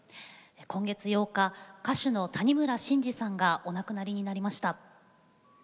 今月８日歌手の谷村新司さんがお亡くなりになりました。